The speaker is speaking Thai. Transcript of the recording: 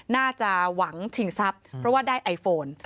น่าจะหวังชิงทรัพย์เพราะว่าได้ไอโฟน